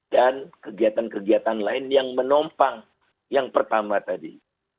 dan kegiatan kegiatan lain yang menompang yang pertama tadi